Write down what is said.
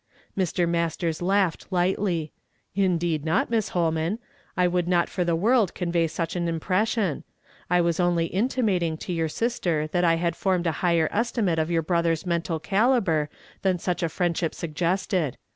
JNIr. Mastere laughed lightly. "Indeed not, jNIiss llolman. I would not for the world C(^nvey such an impression. I was only intimating to your sister that I had formed a higher estimate of 3'our brother's mental calibre than such a friendship suggested.